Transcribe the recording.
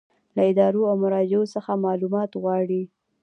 له ادارو او مراجعو څخه معلومات غواړي.